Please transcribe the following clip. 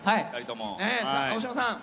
青島さん。